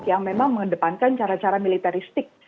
yang memang mengedepankan cara cara militeristik